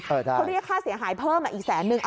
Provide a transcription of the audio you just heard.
เขาเรียกค่าเสียหายเพิ่มอีกแสนนึง